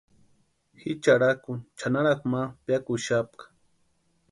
Ji charhakuni chʼanarakwa ma piakuxapka.